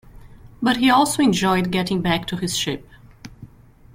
But he also enjoyed getting back to his ship.